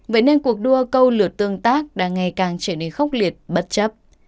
vậy nên cuộc đua câu lượt tương tác đang ngày càng trở nên khốc liệt bất chấp